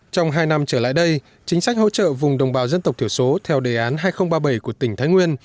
trong hai năm trở lại đây chính sách hỗ trợ vùng đồng bào dân tộc thiểu số theo đề án hai nghìn ba mươi bảy của tỉnh thái nguyên